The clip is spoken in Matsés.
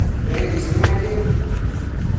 Nëid ismequin